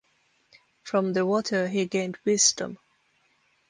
From the water he gained wisdom.